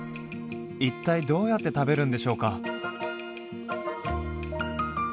一体どうやって食べるんでしょうか？